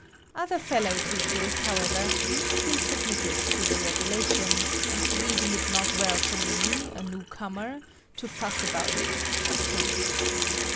Other fellow teachers, however, meekly submitted to the regulation, and believing it not well for me,—a new comer—to fuss about it, I stood it.